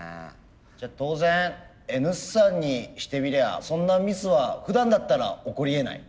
じゃあ当然Ｎ産にしてみりゃそんなミスはふだんだったら起こりえない。